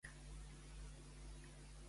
Hirneto també va morir?